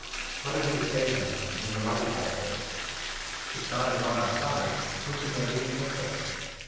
What are we to say, then, in the light of all this? If God 31 is on our side, who can there be against us